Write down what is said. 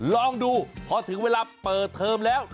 ลองดูพอถึงเวลาเปิดเทอมแล้ว